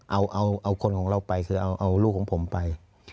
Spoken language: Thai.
เอาคนของเราไปคือเอาลูกของผมไป